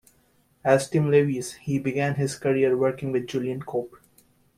As Tim Lewis, he began his career working with Julian Cope.